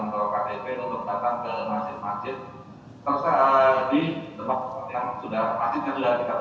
memperbaiki tempatan ke masjid masjid tersebut di tempat yang sudah masih tidak dikatakan